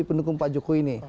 penukung pak joko ini